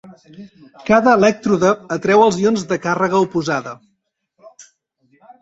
Cada elèctrode atreu els ions de càrrega oposada.